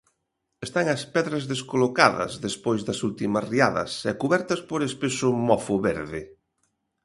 Están as pedras descolocadas, despois das últimas riadas, e cubertas por espeso mofo verde.